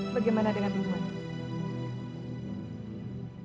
bagaimana dengan rumah